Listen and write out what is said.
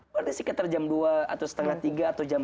berarti sekitar jam dua atau setengah tiga atau jam empat